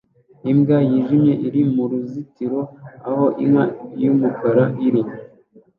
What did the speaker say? Imbwa yijimye iri muruzitiro aho inka yumukara iri